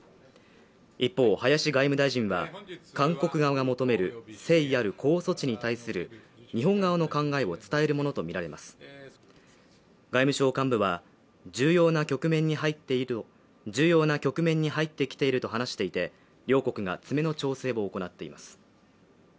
一方林外務大臣は韓国側が求める誠意ある呼応措置に対する日本側の考えを伝えるものと見られます外務省幹部は重要な局面に入っている重要な局面に入ってきていると話していて両国が詰めの調整を行っています